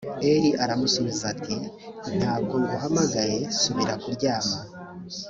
eli aramusubiza ati ntabwo nguhamagaye subira kuryama.